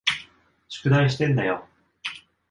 宿題してんだよ。